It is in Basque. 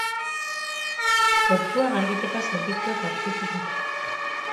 Gorpua garbiketa zerbitzuek aurkitu dute.